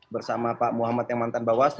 bersama pak muhammad yang mantan bawaslu